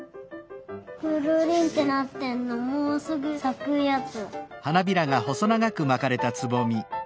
くるりんってなってんのもうすぐさくやつ。